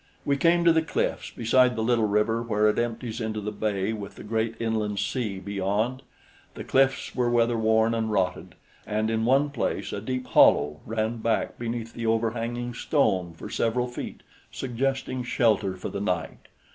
We came to the cliffs beside the little river where it empties into the bay with the great inland sea beyond. The cliffs were weather worn and rotted, and in one place a deep hollow ran back beneath the overhanging stone for several feet, suggesting shelter for the night.